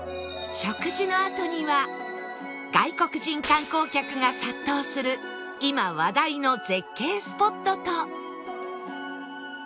外国人観光客が殺到する今話題の絶景スポットと